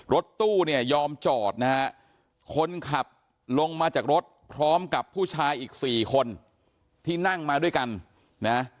รถตู้เนี่ยยอมจอดนะฮะคนขับลงมาจากรถพร้อมกับผู้ชายอีกสี่คนที่นั่งมาด้วยกันนะ